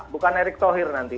bukan erick thohir nanti